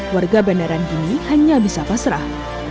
warga bandaran ini hanya bisa pasrah